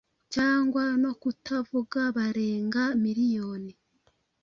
cyangwa no kutavuga barenga miliyoni